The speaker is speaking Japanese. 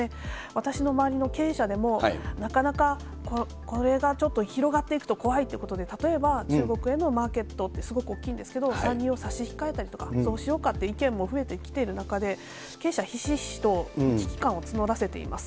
私の周りの経営者でも、なかなかこれがちょっと広がっていくと怖いということで、例えば、中国へのマーケットってすごく大きいんですけど、参入を差し控えたりとか、そうしようかっていう意見も増えてきてる中で、経営者はひしひしと危機感を募らせています。